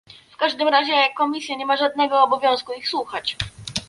W każdym razie Komisja nie ma żadnego obowiązku ich słuchać